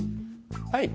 はい。